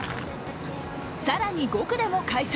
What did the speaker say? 更に、５区でも快走。